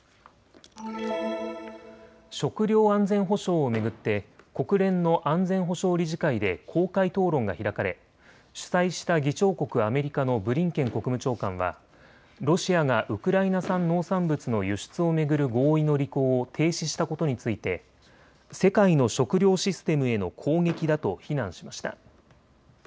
食料安全保障を巡って国連の安全保障理事会で公開討論が開かれ主催した議長国、アメリカのブリンケン国務長官はロシアがウクライナ産農産物の輸出を巡る合意の履行を停止したことについて世界の食料システムへの攻撃だと非難しました。